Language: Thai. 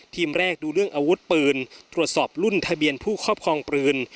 แรกดูเรื่องอาวุธปืนตรวจสอบรุ่นทะเบียนผู้ครอบครองปืน